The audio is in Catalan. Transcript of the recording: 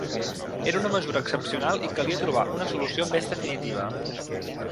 Era una mesura excepcional i calia trobar una solució més definitiva.